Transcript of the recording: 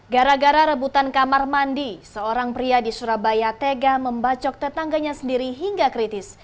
gara gara rebutan kamar mandi seorang pria di surabaya tega membacok tetangganya sendiri hingga kritis